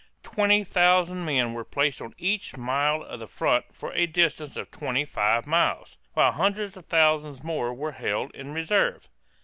Twenty thousand men were placed on each mile of the front for a distance of twenty five miles, while hundreds of thousands more were held in reserve.